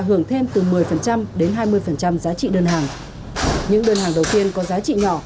hưởng thêm từ một mươi đến hai mươi giá trị đơn hàng những đơn hàng đầu tiên có giá trị nhỏ